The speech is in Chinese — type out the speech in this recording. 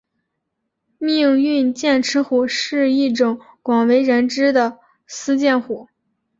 命运剑齿虎是一种广为人知的斯剑虎。